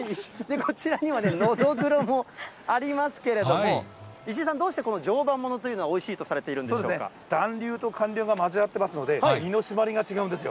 こちらには、ノドグロもありますけれども、いしいさん、どうしてこの常磐ものというのはおいしいとされていそうですね、暖流と寒流が交わっていますので、身の締まりが違うんですよ。